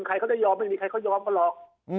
ใครเขาจะยอมไม่มีใครเขายอมกันหรอก